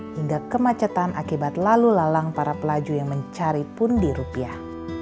hingga kemacetan akibat lalu lalang para pelaju yang mencari pundi rupiah